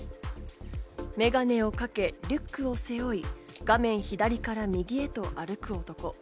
眼鏡をかけ、リュックを背負い、画面左から右へと歩く男。